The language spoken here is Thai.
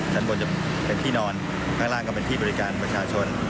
ชั้นบนจะเป็นที่นอนข้างล่างก็เป็นที่บริการประชาชน